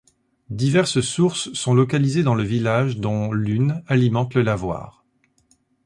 Diverses sources sont localisées dans le village dont l'une alimente le lavoir.